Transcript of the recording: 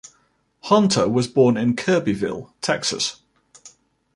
Hunter was born in Kirbyville, Texas.